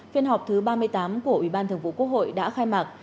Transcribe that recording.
phiên họp thứ ba mươi tám của ubthqh đã khai mạc